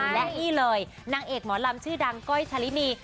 และนี่เลยนางเอกหมอลำชื่อดังก้อยชะลินี